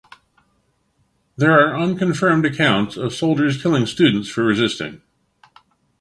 There are unconfirmed accounts of soldiers killing students for resisting.